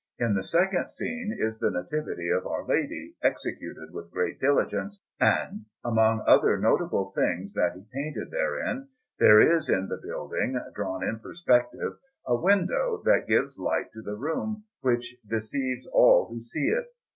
In the second scene is the Nativity of Our Lady, executed with great diligence, and, among other notable things that he painted therein, there is in the building (drawn in perspective) a window that gives light to the room, which deceives all who see it.